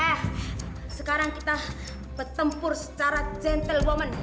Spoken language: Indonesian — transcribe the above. eh sekarang kita bertempur secara gentlewoman